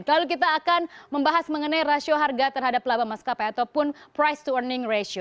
lalu kita akan membahas mengenai rasio harga terhadap laba maskapai ataupun price to earning ratio